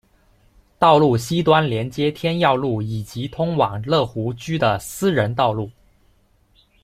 道路西端连接天耀路以及通往乐湖居的私人道路。